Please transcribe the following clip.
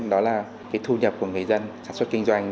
đó là cái thu nhập của người dân sản xuất kinh doanh